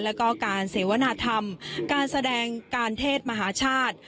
แล้วก็การเสวนาธรรมการแสดงการเทศมหาชาติ